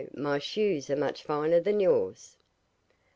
my shoes are much finer than yours.